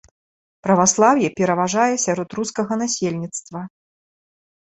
Праваслаўе пераважае сярод рускага насельніцтва.